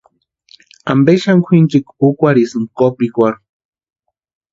¿Ampe xani kwʼinchikwa úkwarhisïnki kopikwarhu?